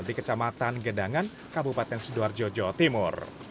di kecamatan gedangan kabupaten sidoarjo jawa timur